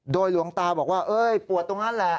โดยหลวงตาบอกว่าปวดตรงนั้นแหละ